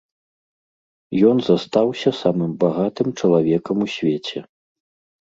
Ён застаўся самым багатым чалавекам у свеце.